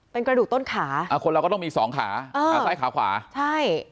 เป็นกระดูกต้นขาอ่าคนเราก็ต้องมีสองขาอ่าขาซ้ายขาขวาใช่